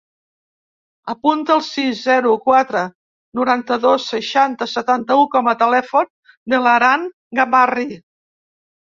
Apunta el sis, zero, quatre, noranta-dos, seixanta, setanta-u com a telèfon de l'Aran Gabarri.